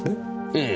ええ。